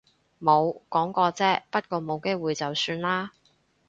冇，講過啫。不過冇機會就算喇